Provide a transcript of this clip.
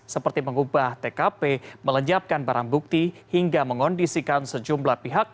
seperti mengubah tkp melenyapkan barang bukti hingga mengondisikan sejumlah pihak